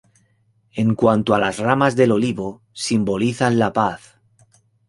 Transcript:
En cuanto a las ramas de olivo, simbolizan la paz.